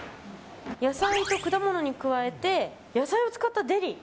野菜と果物に加えて野菜を使ったデリ！